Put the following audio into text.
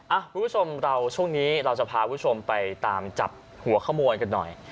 อะทุกผู้ชมช่องนี้เราจะพาไปจับกันกันหน่อย